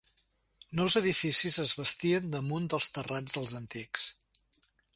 Nous edificis es bastien damunt dels terrats dels antics.